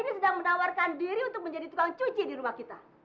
ini sedang menawarkan diri untuk menjadi tukang cuci di rumah kita